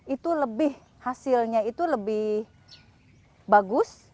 itu lebih hasilnya itu lebih bagus